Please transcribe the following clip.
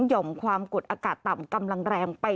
หอมความกดอากาศต่ำกำลังแรงไป